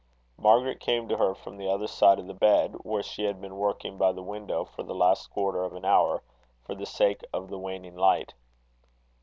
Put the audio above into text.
Margaret came to her from the other side of the bed, where she had been working by the window, for the last quarter of an hour, for the sake of the waning light.